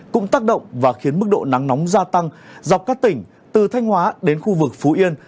cũng tác động và khiến mức độ nắng nóng gia tăng dọc các tỉnh từ thanh hóa đến khu vực phú yên